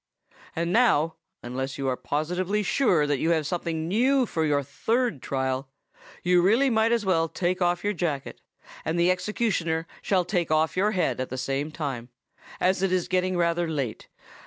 And now, unless you are positively sure that you have something new for your third trial, you really might as well take off your jacket; and the executioner shall take off your head at the same time, as it is getting rather late.